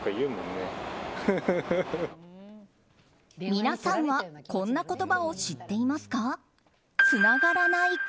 皆さんはこんな言葉を知っていますか？